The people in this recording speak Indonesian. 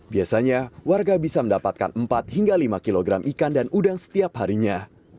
biasanya warga bisa mendapatkan empat hingga lima kg ikan dan udang setiap harinya